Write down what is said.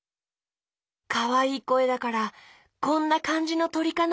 かわいいこえだからこんなかんじのとりかな？